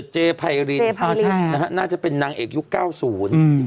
เจภายรินเอ่อใช่นะฮะน่าจะเป็นนางเอกยุคเก้าศูนย์อืม